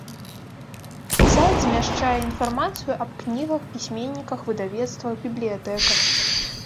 Сайт змяшчае інфармацыю аб кнігах, пісьменніках, выдавецтвах, бібліятэках.